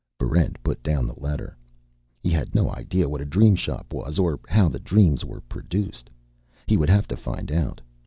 Barrent put down the letter. He had no idea what a Dream Shop was, or how the dreams were produced. He would have to find out.